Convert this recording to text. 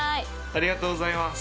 ありがとうございます！